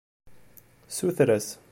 Ssuter-as.